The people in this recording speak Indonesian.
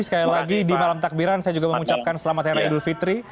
sekali lagi di malam takbiran saya juga mengucapkan selamat hari raya idul fitri